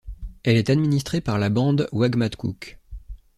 Elle est administrée par la bande Wagmatcook.